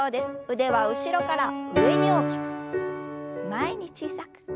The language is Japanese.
腕は後ろから上に大きく前に小さく。